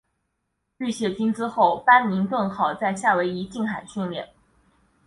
卸载军资后班宁顿号在夏威夷近海训练。